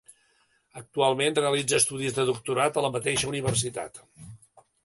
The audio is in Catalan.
Actualment realitza estudis de doctorat a la mateixa universitat.